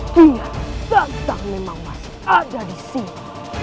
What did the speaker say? dia datang memang masih ada di sini